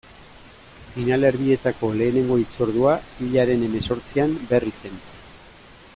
Finalerdietako lehenengo hitzordua, hilaren hemezortzian, Berrizen.